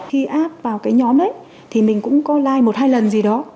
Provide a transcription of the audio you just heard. khi áp vào cái nhóm ấy thì mình cũng có like một hai lần gì đó